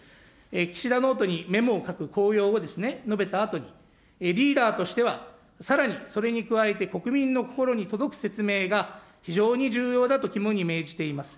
岸田ノートにメモを書く効用を述べたあとにリーダーとしてはさらにそれに加えて国民の心に届く説明が非常に重要だと肝に銘じています。